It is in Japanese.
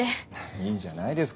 いいじゃないですか。